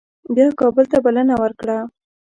بیا کابل ته بلنه ورکړه.